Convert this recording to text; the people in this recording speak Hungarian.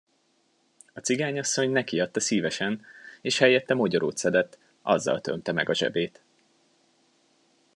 A cigányasszony neki adta szívesen, és helyette mogyorót szedett, azzal tömte meg a zsebét.